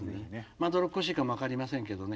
まどろっこしいかも分かりませんけどね